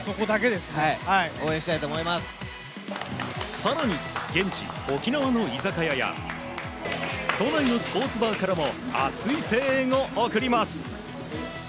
更に、現地・沖縄の居酒屋や都内のスポーツバーからも熱い声援を送ります。